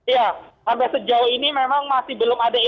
ya sampai sejauh ini memang masih belum ada informasi